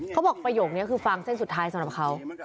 ประโยคนี้คือฟางเส้นสุดท้ายสำหรับเขา